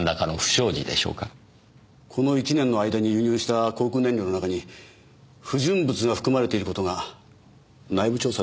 この１年の間に輸入した航空燃料の中に不純物が含まれている事が内部調査で判明したんです。